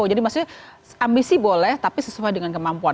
jadi maksudnya ambisi boleh tapi sesuai dengan kemampuan